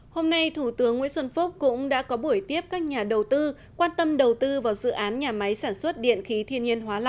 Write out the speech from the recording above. hôm nay thủ tướng nguyễn xuân phúc cũng đã có buổi tiếp các nhà đầu tư quan tâm đầu tư vào dự án nhà máy sản xuất điện khí thiên nhiên hóa lào